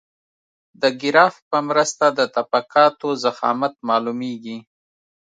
د ګراف په مرسته د طبقاتو ضخامت معلومیږي